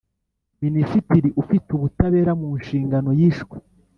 Minisitiri ufite ubutabera munshingano yishwe